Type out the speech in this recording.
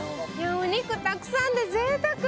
お肉たくさんでぜいたく！